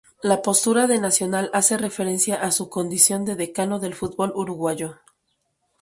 La postura de Nacional hace referencia a su condición de "Decano del fútbol uruguayo".